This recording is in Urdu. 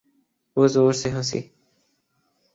وہ زور سے ہنسی۔